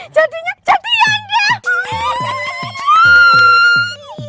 jadinya jadian deh